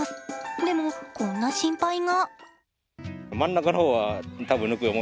でも、こんな心配が。